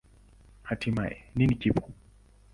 Hatimaye, nini kipo?